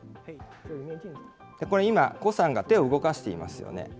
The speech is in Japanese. これ、今、胡さんが手を動かしていますよね。